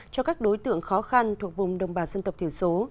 cho các đối tượng khó khăn thuộc vùng đồng bào dân tộc thiểu số